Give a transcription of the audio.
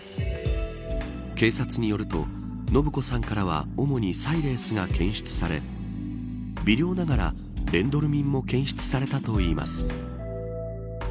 警察によると延子さんからは主にサイレースが検出され微量ながらレンドルミンも検出されたといいます。